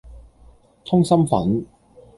通心粉